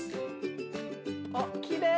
おっきれい。